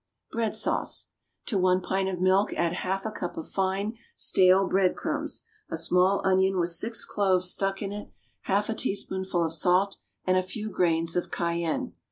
=BREAD SAUCE.= To one pint of milk add half a cup of fine, stale bread crumbs, a small onion with six cloves stuck in it, half a teaspoonful of salt and a few grains of cayenne.